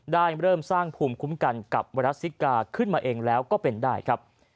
เริ่มสร้างภูมิคุ้มกันกับไวรัสซิกาขึ้นมาเองแล้วก็เป็นได้ครับ